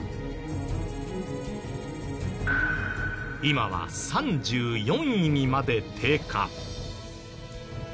今は３４位にまで低下。